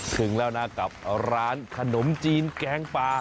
ถึงแล้วนะกับร้านขนมจีนแกงปลา